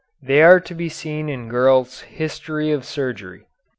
They are to be seen in Gurlt's "History of Surgery."